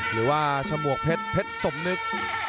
หรือว่าฉมวกเพชรเพชรสมนึก